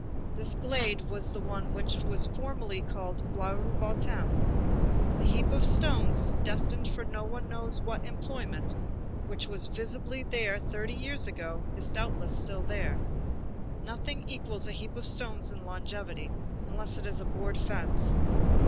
This glade was the one which was formerly called the Blaru bottom. The heap of stones, destined for no one knows what employment, which was visible there thirty years ago, is doubtless still there. Nothing equals a heap of stones in longevity, unless it is a board fence.